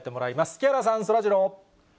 木原さん、そらジロー。